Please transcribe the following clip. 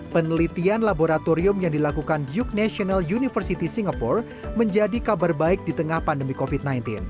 penelitian laboratorium yang dilakukan di yogyakarta universitas singapura menjadi kabar baik di tengah pandemi covid sembilan belas